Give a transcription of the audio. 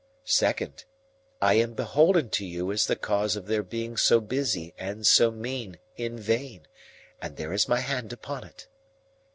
Second, I am beholden to you as the cause of their being so busy and so mean in vain, and there is my hand upon it."